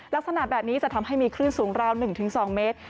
ลักษณะแบบนี้จะทำให้มีคลื่นสูงราว๑๒เมตร